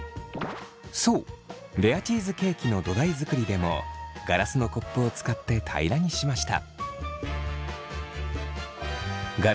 そうレアチーズケーキの土台作りでもガラスのコップを使って平らにしました。